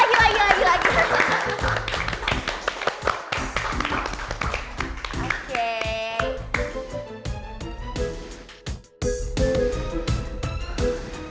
wait kok lo gak tepuk tangan sih